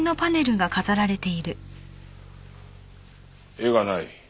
絵がない。